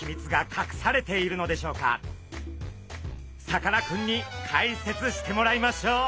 さかなクンに解説してもらいましょう！